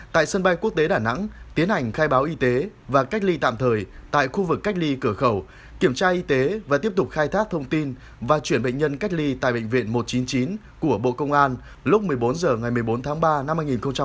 tại sân bay quốc tế đà nẵng tiến hành khai báo y tế và cách ly tạm thời tại khu vực cách ly cửa khẩu kiểm tra y tế và tiếp tục khai thác thông tin và chuyển bệnh nhân cách ly tại bệnh viện một trăm chín mươi chín của bộ công an lúc một mươi bốn h ngày một mươi bốn tháng ba năm hai nghìn hai mươi